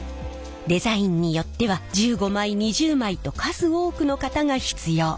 デザインによっては１５枚２０枚と数多くの型が必要。